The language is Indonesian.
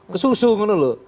ke susu menurut lo